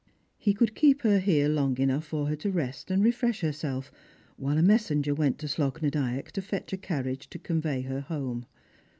He could keep her here long enough for her to rest and refresh herself, while a messenger went to Slogh na Dyack to fetch a carriage to convey her home.